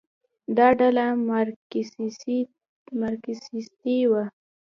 دا ډله مارکسیستي وه.